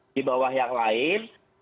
di bawah yang lain